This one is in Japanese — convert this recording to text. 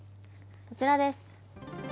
こちらです。